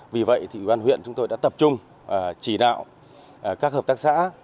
vì vậy thì huyện chúng tôi đã tập trung chỉ đạo các hợp tác xã